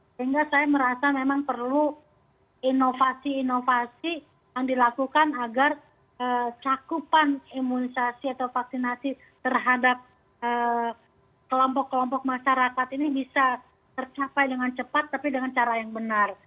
sehingga saya merasa memang perlu inovasi inovasi yang dilakukan agar cakupan imunisasi atau vaksinasi terhadap kelompok kelompok masyarakat ini bisa tercapai dengan cepat tapi dengan cara yang benar